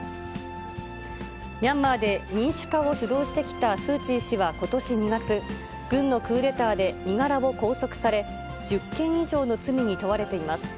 ミャンマーで民主化を主導してきたスー・チー氏はことし２月、軍のクーデターで身柄を拘束され、１０件以上の罪に問われています。